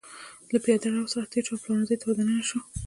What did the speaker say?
له پېاده رو څخه تېره شوه او پلورنځي ته ور دننه شوه.